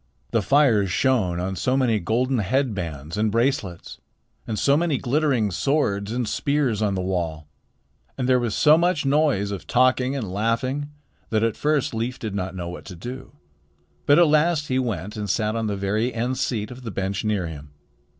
The fires shone on so many golden head bands and bracelets and so many glittering swords and spears on the wall, and there was so much noise of talking and laughing, that at first Leif did not know what to do. But at last he went and sat on the very end seat of the bench near him.